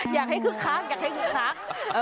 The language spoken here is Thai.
อยากให้คึกคักอยากให้คึกคัก